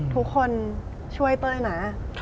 ทุกคนช่วยเต้ยนะ